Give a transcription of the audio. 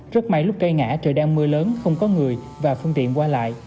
rất may lúc cây ngã trời đang mưa lớn không có người và phương tiện qua lại